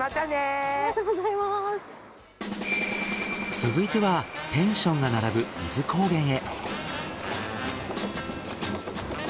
続いてはペンションが並ぶ伊豆高原へ。